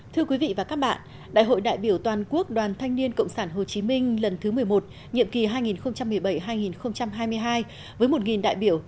thưa quý vị và các bạn đại hội đại biểu toàn quốc đoàn thanh niên cộng sản hồ chí minh lần thứ một mươi một nhiệm kỳ hai nghìn một mươi bảy hai nghìn hai mươi hai với một đại biểu